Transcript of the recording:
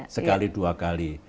sekali dua kali